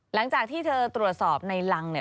หลังจากที่เธอตรวจสอบในรังเนี่ย